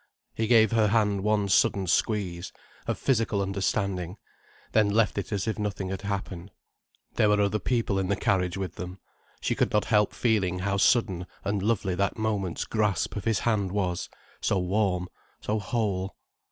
He gave her hand one sudden squeeze, of physical understanding, then left it as if nothing had happened. There were other people in the carriage with them. She could not help feeling how sudden and lovely that moment's grasp of his hand was: so warm, so whole.